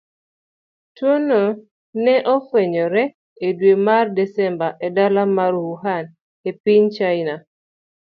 Tuwono ne ofwenyore e dwe mar Desemba e dala mar Wuhan, e piny China.